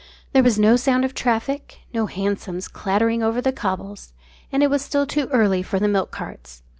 There was no sound of traffic; no hansoms clattered over the cobbles, and it was still too early for the milk carts.